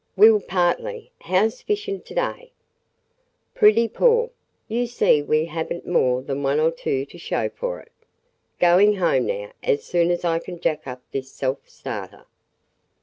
"We ll, partly. How's fishin' to day?" "Pretty poor. You see we have n't more than one or two to show for it. Going home now, as soon as I can jack up this self starter."